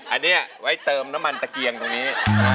อันนี้ไว้เติมน้ำมันตะเกียงตรงนี้